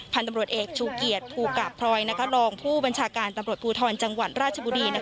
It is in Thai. พันธุ์ตำรวจเอกชูเกียรติภูกะพรอยรองผู้บัญชาการตำรวจภูทรจังหวัดราชบุรี